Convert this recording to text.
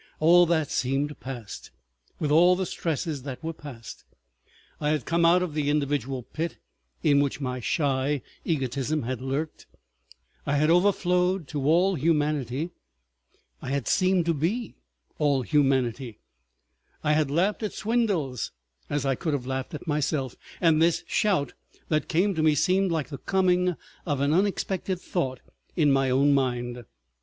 All that seemed past, with all the stresses that were past. I had come out of the individual pit in which my shy egotism had lurked, I had overflowed to all humanity, I had seemed to be all humanity; I had laughed at Swindells as I could have laughed at myself, and this shout that came to me seemed like the coming of an unexpected thought in my own mind.